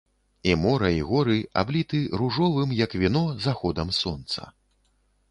І мора, і горы абліты ружовым, як віно, заходам сонца.